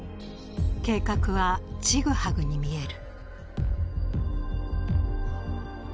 計画はちぐはぐに見える。